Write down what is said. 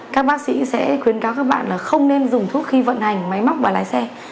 các bác sĩ sẽ khuyến cáo các bạn là không nên dùng thuốc khi vận hành máy móc và lái xe